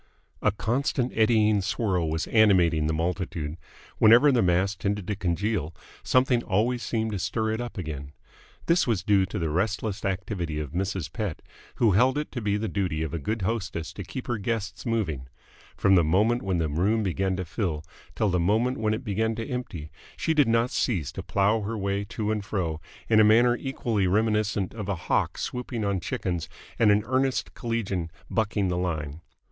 A constant eddying swirl was animating the multitude. Whenever the mass tended to congeal, something always seemed to stir it up again. This was due to the restless activity of Mrs. Pett, who held it to be the duty of a good hostess to keep her guests moving. From the moment when the room began to fill till the moment when it began to empty she did not cease to plough her way to and fro, in a manner equally reminiscent of a hawk swooping on chickens and an earnest collegian bucking the line.